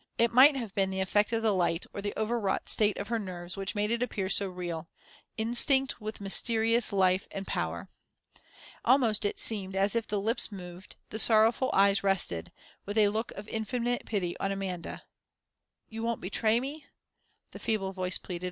It might have been the effect of the light, or the over wrought state of her nerves which made it appear so real, instinct with mysterious life and power. Almost it seemed as if the lips moved, the sorrowful eyes rested, with a look of infinite pity, on Amanda ...... "You won't betray me?" the feeble voice pleaded.